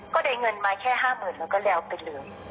ก็ได้เงินมาแค่ห้าหมื่นแล้วก็แล้วเป็นเหลือง